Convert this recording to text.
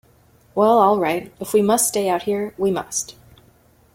Well, all right. If we must stay out here, we must.